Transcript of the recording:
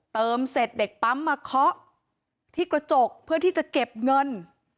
เติมเสร็จเด็กปั๊มมาเคาะที่กระจกเพื่อที่จะเก็บเงิน